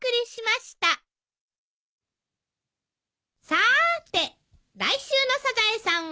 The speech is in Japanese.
さーて来週の『サザエさん』は？